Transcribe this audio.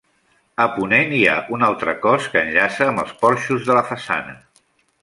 A ponent hi ha un altre cos que enllaça amb els porxos de la façana.